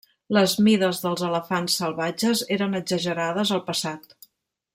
Les mides dels elefants salvatges eren exagerades al passat.